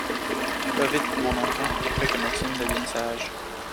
Va vite, mon enfant, et fais que Maxime devienne sage.